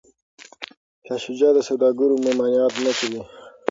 شاه شجاع د سوداګرو ممانعت نه کوي.